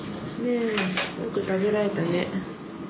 ねえよく食べられたね。